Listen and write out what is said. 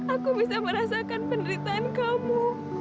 aku bisa merasakan penderitaan kamu